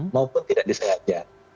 maupun tidak disengaja